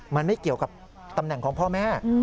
มันไม่เกี่ยวกับตำแหน่งของพ่อแม่